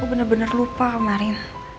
gue bener bener lupa kemarin